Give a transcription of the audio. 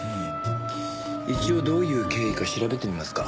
一応どういう経緯か調べてみますか。